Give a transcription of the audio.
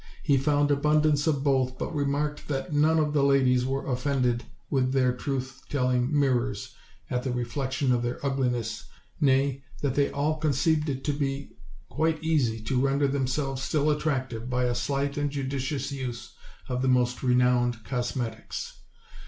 He found abundance of both, but remarked that none of the ladies were offended with their truth telling mirrors at the reflection of their ugliness, nay, that they all conceived it to be quite easy to render them selves still attractive by a slight and judicious use of the most renowned cosmetics.